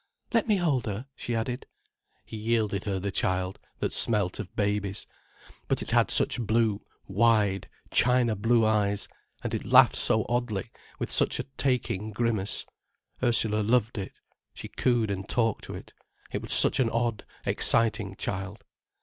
"Let me hold her," she added. He yielded her the child, that smelt of babies. But it had such blue, wide, china blue eyes, and it laughed so oddly, with such a taking grimace, Ursula loved it. She cooed and talked to it. It was such an odd, exciting child.